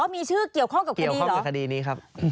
มีชื่อเกี่ยวข้องเกี่ยวข้องกับคดีนี้ครับ